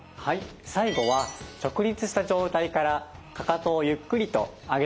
最後は直立した状態からかかとをゆっくりと上げ下げします。